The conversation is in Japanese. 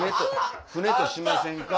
「舟としませんか？」。